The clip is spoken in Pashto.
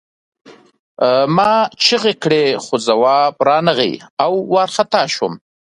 ما چیغې کړې خو ځواب را نغی او وارخطا شوم